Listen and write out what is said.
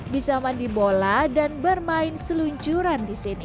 bisa mandi bola dan bermain seluncuran di sini